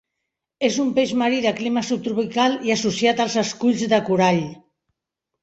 És un peix marí de clima subtropical i associat als esculls de corall.